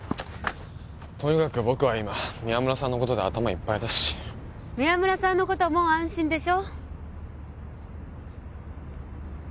とにかく僕は今宮村さんのことで頭がいっぱいだ宮村さんのことはもう安心でしょ？